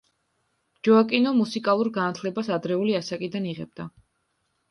ჯოაკინო მუსიკალურ განათლებას ადრეული ასაკიდან იღებდა.